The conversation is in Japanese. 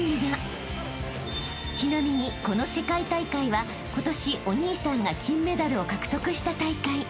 ［ちなみにこの世界大会は今年お兄さんが金メダルを獲得した大会］